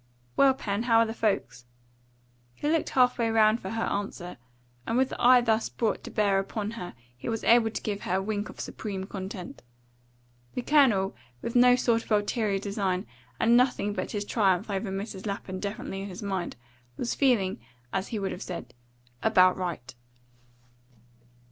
Well, Pen, how are the folks?" He looked half way round for her answer, and with the eye thus brought to bear upon her he was able to give her a wink of supreme content. The Colonel, with no sort of ulterior design, and nothing but his triumph over Mrs. Lapham definitely in his mind, was feeling, as he would have said, about right.